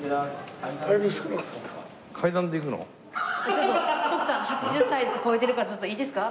ちょっと徳さん８０歳超えてるからちょっといいですか？